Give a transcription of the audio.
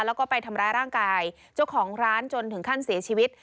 แล้วก็ไปทำร้ายร่างกายเจ้าของร้านจนถึงขั้นเสียชีวิต